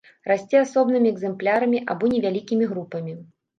Расце асобнымі экземплярамі або невялікімі групамі.